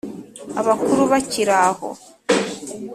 abakuru bakiri aho”